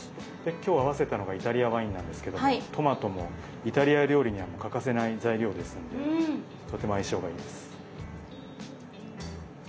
今日合わせたのがイタリアワインなんですけどトマトもイタリア料理には欠かせない材料ですのでとても相性がいいです。